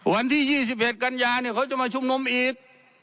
วันที่๒๑กันยาเนี่ยเขาจะมาชุมนุมอีก